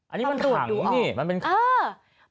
อันนี้มันถังนี่มันเป็นค่า